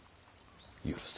許せ。